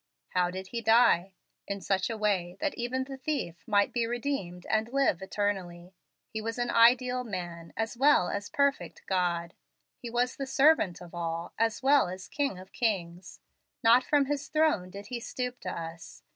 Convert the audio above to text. How did He die? In such a way that even the thief might be redeemed and live eternally. He was an ideal man, as well as perfect God. He was the servant of all, as well as King of kings. Not from his throne did He stoop to us.